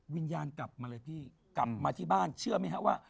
วิญญาณกลับมาเลยพี่กลับมาที่บ้านเชื่อไหมฮะว่า